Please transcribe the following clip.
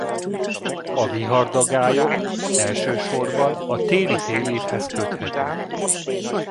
A vihardagályok elsősorban a téli félévhez köthetők.